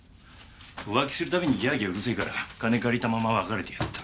浮気するたびにギャーギャーうるせえから金借りたまま別れてやった。